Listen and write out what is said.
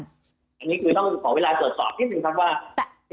อันนี้คือต้องขอเวลาตรวจสอบนิดนึงครับว่า